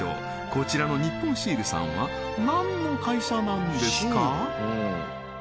こちらの日本シールさんは何の会社なんですか？